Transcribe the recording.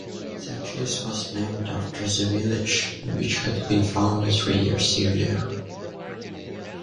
The cheese was named after the village, which had been founded three years earlier.